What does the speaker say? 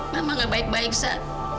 mama gak baik baik sa